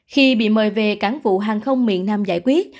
khi bị mời về cảng vụ hàng không miền nam giải quyết